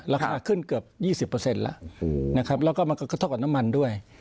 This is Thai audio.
ราคาขึ้นเกือบยี่สิบเปอร์เซ็นต์แล้วอู๋นะครับแล้วก็มันก็กระทบกับน้ำมันด้วย